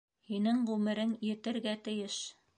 Һинең ғүмерең етергә тейеш.